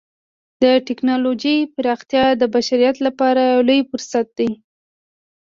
د ټکنالوجۍ پراختیا د بشریت لپاره لوی فرصت دی.